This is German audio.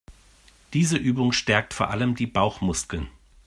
Diese Übung stärkt vor allem die Bauchmuskeln.